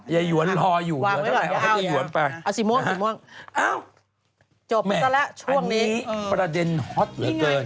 ยะหยวนรออยู่เอาสีม่วงจบแล้วช่วงนี้อันนี้ประเด็นฮอตเหลือเกิน